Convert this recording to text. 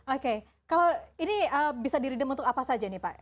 oke kalau ini bisa diridem untuk apa saja nih pak